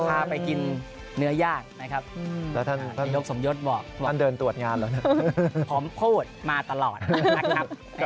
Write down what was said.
ถ้าไปกินเนื้อย่างนะครับท่านเดินตรวจงานแล้วเนี่ยพร้อมโภตมาตลอดนะครับ